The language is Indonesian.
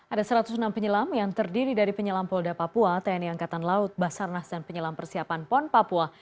ada satu ratus enam penyelam yang terdiri dari penyelam polda papua tni angkatan laut basarnas dan penyelam persiapan pon papua